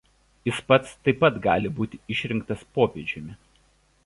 Jis pats taip pat gali būti išrinktas popiežiumi.